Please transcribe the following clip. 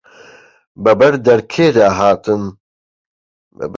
بە بەر دەرکێ دا هاتم